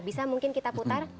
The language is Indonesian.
bisa mungkin kita putar